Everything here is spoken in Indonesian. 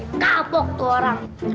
dikapok tuh orang